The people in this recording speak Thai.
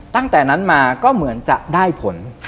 ตั้งแต่นั้นมาก็เหมือนจะได้ผล